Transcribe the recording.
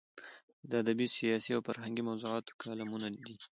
د ادبي، سیاسي او فرهنګي موضوعاتو کالمونه دي.